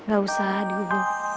gak usah aduh